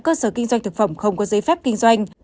cơ sở kinh doanh thực phẩm không có giấy phép kinh doanh